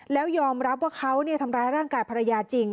แล้วยอมรับว่าเขาทำร้ายร่างกายภรรยาจริง